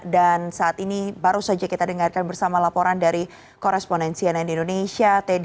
dan saat ini baru saja kita dengarkan bersama laporan dari koresponensi nn indonesia